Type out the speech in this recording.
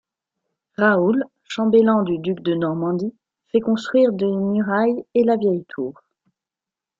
Raoul, chambellan du duc de Normandie, fait construire des murailles et la vieille tour.